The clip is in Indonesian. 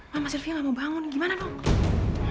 ma mas sylvia gak mau bangun gimana dong